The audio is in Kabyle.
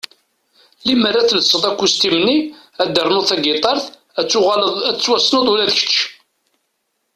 Limmer ad telseḍ akustim-nni, ad ternuḍ tagitart, ad tuɣaleḍ ad tettwassneḍ ula d kecc!